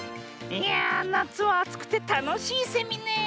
いやあなつはあつくてたのしいセミねえ。